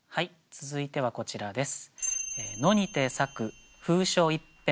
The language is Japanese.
続いてはこちらです。